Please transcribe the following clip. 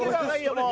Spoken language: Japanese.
もう。